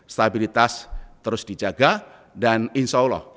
stabilitas terus dijaga dan insya allah